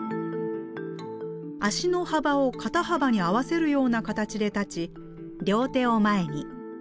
足の幅を肩幅に合わせるような形で立ち両手を前に。